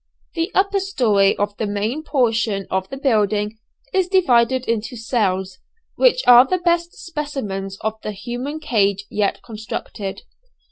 The upper story of the main portion of the building is divided into cells, which are the best specimens of the human cage yet constructed.